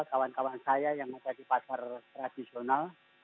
kawan kawan saya yang ada di pasar tradisional